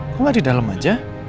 kok gak di dalam aja